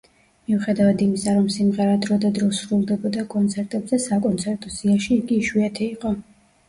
მიუხედავად იმისა, რომ სიმღერა დრო და დრო სრულდებოდა კონცერტებზე, საკონცერტო სიაში იგი იშვიათი იყო.